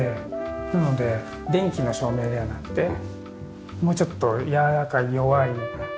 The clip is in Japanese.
なので電気の照明ではなくてもうちょっとやわらかい弱いロウソクだけで。